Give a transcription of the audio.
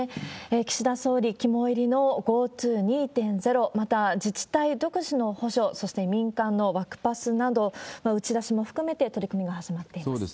岸田総理肝煎りのＧｏＴｏ２．０、また、自治体独自の補助、そして民間のワクパスなど、打ち出しも含めて取り組みが始まっています。